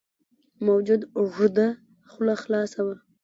موجود اوږده خوله خلاصه وه.